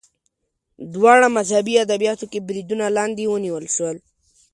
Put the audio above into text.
دواړه مذهبي ادبیاتو کې بریدونو لاندې ونیول شول